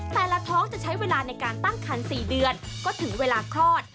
แต่ละท้องจะใช้เวลาในการตั้งคัน๔เดือนก็ถึงเวลาคลอด